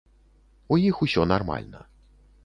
У іх усё нармальна.